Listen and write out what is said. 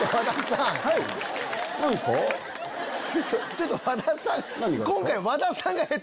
ちょっと和田さん！